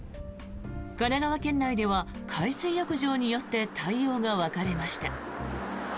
神奈川県内では海水浴場によって対応が分かれました。